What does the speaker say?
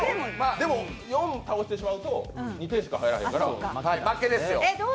でも、４を倒してしまうと２点しか入らないから負けですよ。